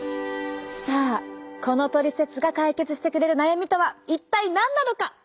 さあこのトリセツが解決してくれる悩みとは一体何なのか？